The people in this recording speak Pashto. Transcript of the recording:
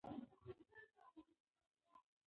د ادارې مدیر زما په اخلاقو ډېر خوشحاله دی.